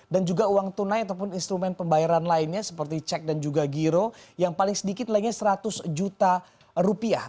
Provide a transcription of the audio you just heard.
dan juga uang tunai ataupun instrumen pembayaran lainnya seperti cek dan juga giro yang paling sedikit lainnya seratus juta rupiah